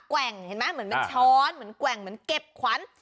ว่งเห็นไหมเหมือนเป็นช้อนเหมือนแกว่งเหมือนเก็บขวัญ